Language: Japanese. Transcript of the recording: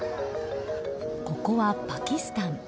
ここはパキスタン。